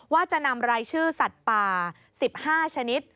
ว่าจะนำรายชื่อสัตว์ป่า๑๕ชนิด